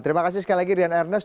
terima kasih sekali lagi rian ernest